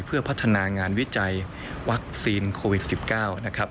เพื่อพัฒนางานวิจัยวัคซีนโควิด๑๙นะครับ